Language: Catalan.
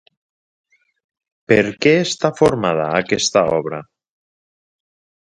Per què està formada aquesta obra?